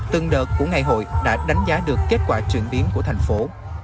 từng đợt của ngày hội đã đánh giá được kết quả chuyển biến của thành phố